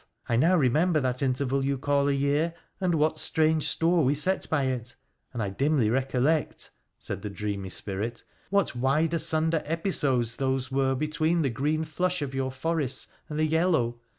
I now remember that interval you call a year, and what strange store we set by it, and I dimly recollect,' said the dreamy spirit, ' what wide asunder episodes those were between the green flush of your forests and the yellow.